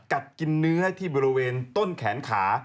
กัดกินเนื้อที่บริเวณต้นแขนขา